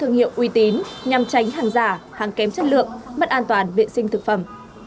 thương hiệu uy tín nhằm tránh hàng giả hàng kém chất lượng mất an toàn vệ sinh thực phẩm